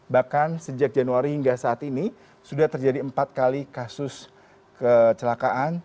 bahkan sejak januari hingga saat ini sudah terjadi empat kali kasus kecelakaan